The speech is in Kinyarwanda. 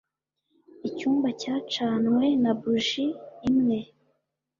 Icyumba cyacanywe na buji imwe.